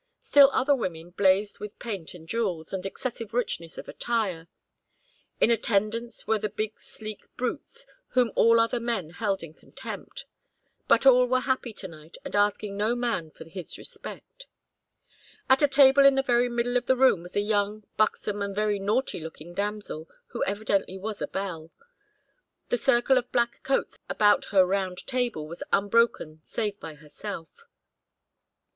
Still other women blazed with paint and jewels and excessive richness of attire. In attendance were the big sleek brutes, whom all other men held in contempt. But all were happy to night and asking no man for his respect. At a table in the very middle of the room was a young, buxom, and very naughty looking damsel, who evidently was a belle: the circle of black coats about her round table was unbroken save by herself.